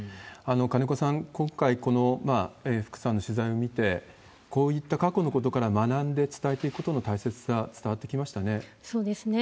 金子さん、今回この福さんの取材を見て、こういった過去のことから学んで伝えていくことの大切さ、伝わっそうですね。